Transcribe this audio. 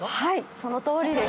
そのとおりです。